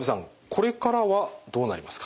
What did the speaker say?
これからはどうなりますか？